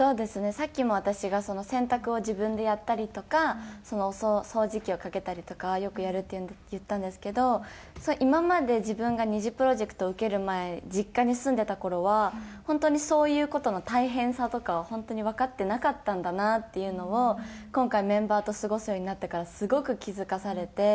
さっきも私が洗濯を自分でやったりとか掃除機をかけたりとかはよくやるって言ったんですけど今まで自分がＮｉｚｉＰｒｏｊｅｃｔを受ける前実家に住んでた頃は本当にそういう事の大変さとかを本当にわかってなかったんだなっていうのを今回メンバーと過ごすようになってからすごく気付かされて。